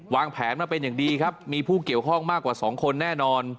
วางแผนมาเป็นอย่างดีครับมีผู้เกี่ยวข้องมากกว่า๒คนแน่นอน